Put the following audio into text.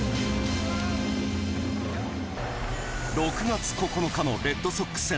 ６月９日のレッドソックス戦。